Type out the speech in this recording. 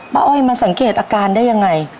อ้อยมันสังเกตอาการได้ยังไง